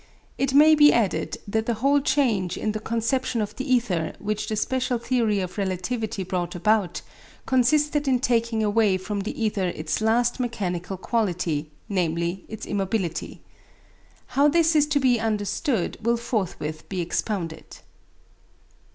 It may be added that the whole change in the conception of the ether which the special theory of relativity brought about, consisted in taking away from the ether its last mechanical quality, namely, its immobility. How this is to be understood will forthwith be expounded.